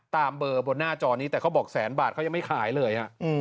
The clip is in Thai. ตามเบอร์บนหน้าจอนี้แต่เขาบอกแสนบาทเขายังไม่ขายเลย